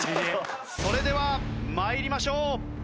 それでは参りましょう。